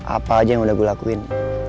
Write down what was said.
apa aja yang udah gue lakuin